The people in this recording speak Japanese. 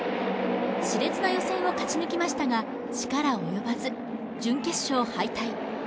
しれつな予選を勝ち抜きましたが力及ばず、準決勝敗退。